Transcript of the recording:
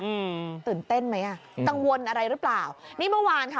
อืมตื่นเต้นไหมอ่ะกังวลอะไรหรือเปล่านี่เมื่อวานค่ะ